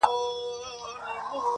كوم حميد به خط و خال كاغذ ته يوسي-